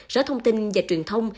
sở thông tin và truyền thông